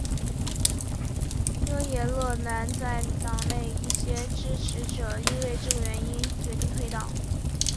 惹耶勒南在党内的一些支持者因为这个原因决定退党。